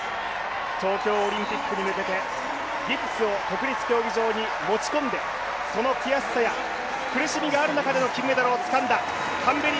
東京オリンピックに向けて、ギブスを国立競技場に持ち込んでその悔しさや苦しみがある中でつかんだ。